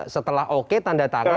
setelah oke tanda tangan